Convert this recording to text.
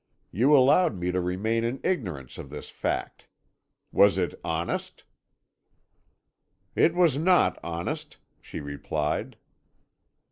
You allowed me to remain in ignorance of this fact. Was it honest?' "'It was not honest,' she replied.